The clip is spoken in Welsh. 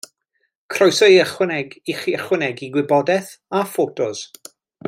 Croeso i chi ychwanegu gwybodaeth a ffotos.